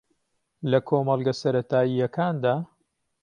لە کۆمەڵگە سەرەتایییەکاندا